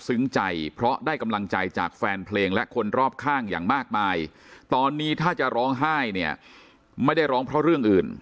ใจเพราะได้กำลังใจจากแฟนเพลงและคนรอบข้างอย่างมากมายตอนนี้ถ้าจะร้องไห้เนี่ยไม่ได้ร้องเพราะเรื่องอื่น